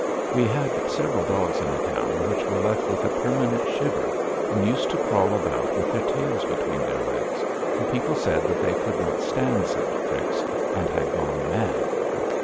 We had several dogs in the town which were left with a permanent shiver and used to crawl about with their tails between their legs, and people said that they could not stand such tricks and had gone mad.